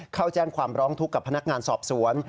เข้าแจ้งความร้องทุกข์กับพนักงานสอบสวน